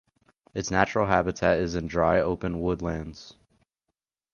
Its natural habitat is in dry open woodlands.